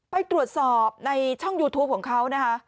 ไปตรวจสอบในช่องยูทูปของเขานะคะ